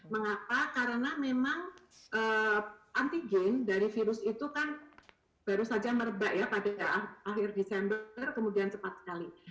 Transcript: mengapa karena memang antigen dari virus itu kan baru saja merebak ya pada akhir desember kemudian cepat sekali